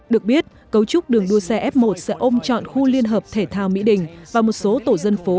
được biết cấu trúc đường đua xe f một sẽ ôm chọn khu liên hợp thể thao mỹ đình và một số tổ dân phố